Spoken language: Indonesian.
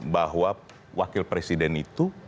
bahwa wakil presiden itu